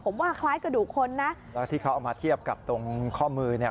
ผมว่าคล้ายกระดูกคนนะแล้วที่เขาเอามาเทียบกับตรงข้อมือเนี่ย